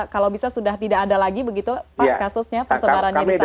kalau bisa sudah tidak ada lagi begitu pak kasusnya persebarannya di sana